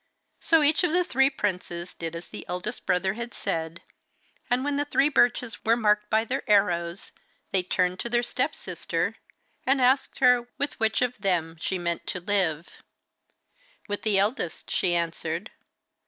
So each of the princes did as the eldest brother had said, and when the three birches were marked by their arrows they turned to their step sister and asked her with which of them she meant to live. 'With the eldest,' she answered.